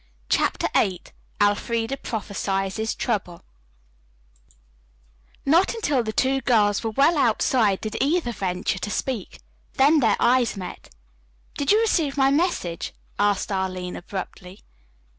CHAPTER VIII ELFREDA PROPHESIES TROUBLE Not until the two girls were well outside did either venture to speak. Then their eyes met. "Did you receive my message?" asked Arline abruptly.